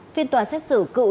phiên tòa xét xử cựu